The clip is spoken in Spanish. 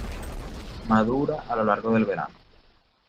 Madura a lo largo del verano.